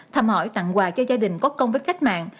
thăm hỏi tặng quà cho gia đình có công với cách mạng